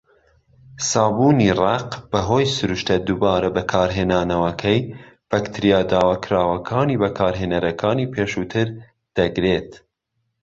سابوونی ڕەق، بەهۆی سروشتە دووبارە بەکارهێنانەوەکەی، بەکتریا داواکراوەکانی بەکارهێنەرەکانی پێشووتر دەگرێت.